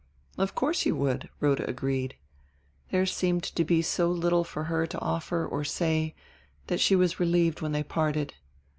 "Of course you would," Rhoda agreed. There seemed to be so little for her to offer or say that she was relieved when they parted.